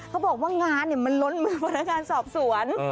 เขาบอกว่างานมันล้นมือพนักงานสอบสวน